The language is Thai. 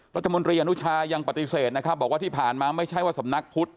รัฐมนตรีอนุชายังปฏิเสธนะครับบอกว่าที่ผ่านมาไม่ใช่ว่าสำนักพุทธ